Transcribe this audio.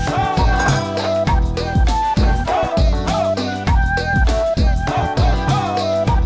obat sudah keselipuan